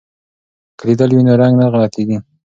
که لیدل وي نو رنګ نه غلطیږي.